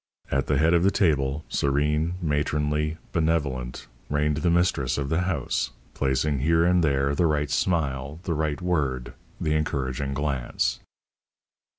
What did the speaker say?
At the head of the table, serene, matronly, benevolent, reigned the mistress of the house, placing here and there the right smile, the right word, the encouraging glance.